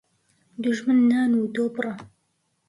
دوژمن نان و دۆ بڕە